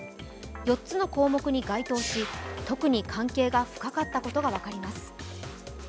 ４つの項目に該当し、特に関係が深かったことが分かります。